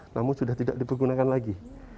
namun sudah tidak dipergunakan lagi